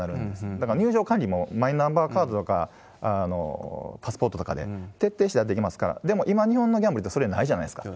だから、入場管理も、マイナンバーカードとかパスポートとかで徹底してやっていきますから、でも、今、日本のギャンブルって、それ、ないじゃないですか。